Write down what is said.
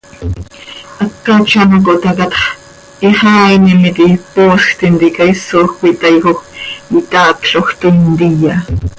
Hacat z ano cohtácatx, hixaainim iti, poosj tintica isoj cöitaaijoj, itaacloj, toii ntiya.